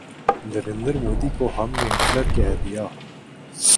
نریندر مودی کو ہم نے ہٹلر کہہ دیا۔